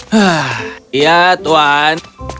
hah ya tuan